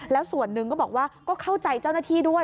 แล้วส่วนหนึ่งก็บอกว่าก็เข้าใจเจ้าหน้าที่ด้วย